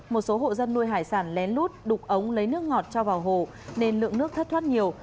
một số hộ dân nuôi hải sản lén lút đục ống lấy nước ngọt cho vào hồ nên lượng nước thất thoát nhiều